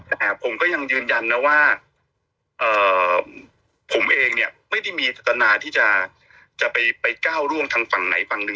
แต่ผมก็ยังยืนยันนะว่าผมเองเนี่ยไม่ได้มีจัตนาที่จะไปก้าวร่วงทางฝั่งไหนฝั่งหนึ่ง